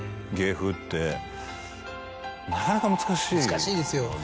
難しいですよ。